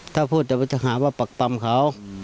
ถ้าพูดจะไปหาว่าปักปำเขา